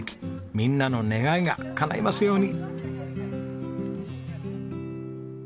みんなの願いがかないますように！